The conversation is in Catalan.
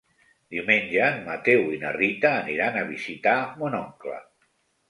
Diumenge en Mateu i na Rita aniran a visitar mon oncle.